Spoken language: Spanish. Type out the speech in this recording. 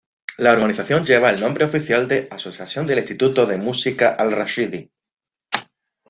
La organización lleva el nombre oficial de Asociación de Instituto de Música Al-Rashidi.